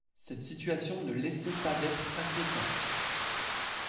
Cette situation ne laissait pas d’être inquiétante.